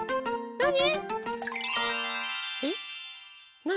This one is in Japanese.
なに？